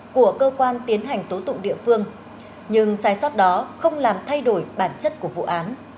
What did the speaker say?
của cơ quan tiến hành tố tụng địa phương nhưng sai sót đó không làm thay đổi bản chất của vụ án